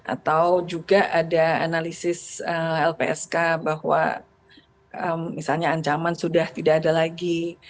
atau juga ada analisis lpsk bahwa misalnya ancaman sudah tidak ada lagi